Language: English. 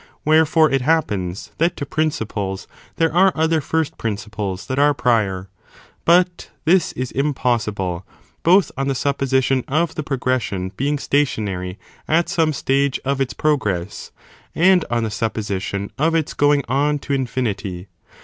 Wherefore, it happens that to principles there are other first principles that are prior ; but this is impossible, both on the supposition of the progression being stationary, at some stage of its progress, and on the supposition of its going on to infinity.